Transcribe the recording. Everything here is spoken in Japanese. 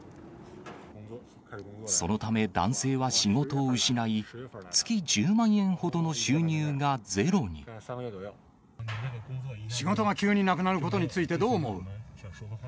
そのため男性は仕事を失い、仕事が急になくなることについてどう思う？